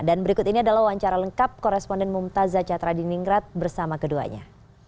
dan berikut ini adalah wawancara lengkap koresponden mumtaz zacatradiningrat bersama keduanya